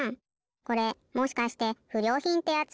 これもしかしてふりょうひんってやつ？